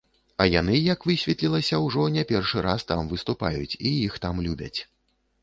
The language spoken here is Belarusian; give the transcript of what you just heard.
А яны, як высветлілася, ўжо не першы раз там выступаюць і іх там любяць.